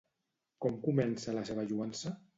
Com comença la seva lloança?